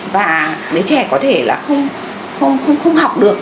và đứa trẻ có thể là không học được